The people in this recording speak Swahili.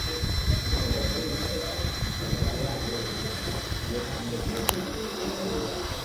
mkulima anapoviacha viazi kwa mda mrefu viazi huoza